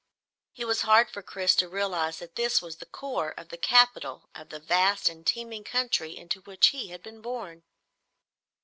It was hard for Chris to realize that this was the core of the capital of the vast and teeming country into which he had been born.